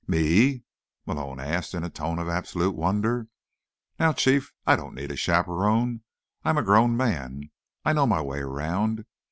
"Me?" Malone asked in a tone of absolute wonder. "Now, Chief, I don't need a chaperone. I'm a grown man. I know my way around.